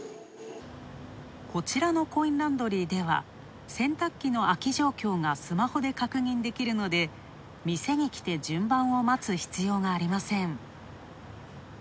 こちらのコインランドリーでは、洗濯機の空き状況がスマホで確認できるので、店に来て順番を待つ必要がありません。